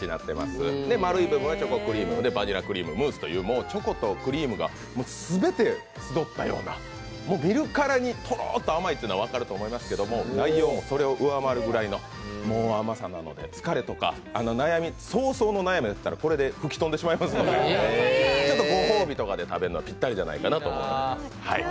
丸い部分がチョコクリームバニラクリーム、ムースというチョコとクリームが全て集ったような、見るからにとろっと甘いというのもわかると思いますけど、内容もそれを上回るぐらいの甘さなのでそうそうの悩みだったらこれで吹き飛んでしまうので、ちょっとご褒美とかで食べるのはぴったりかなと思います。